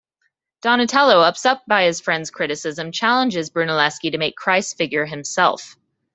Donatello, upset by his friend's criticism, challenges Brunelleschi to make Christ's figure himself.